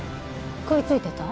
食いついてた？